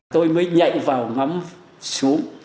tôi mới nhạy vào ngắm xuống